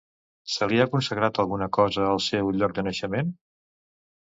Se li ha consagrat alguna cosa al seu lloc de naixement?